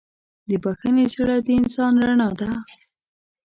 د بښنې زړه د انسان رڼا ده.